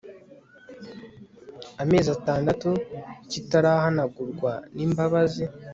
amezi atandatu kitarahanagurwa n imbabazi